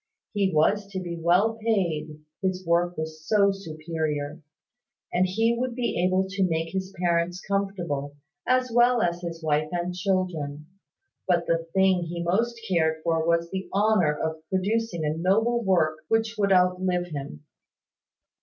He was to be well paid, his work was so superior; and he would be able to make his parents comfortable, as well as his wife and children. But the thing he most cared for was the honour of producing a noble work which would outlive him.